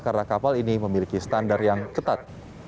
karena kapal ini memiliki standar yang ketat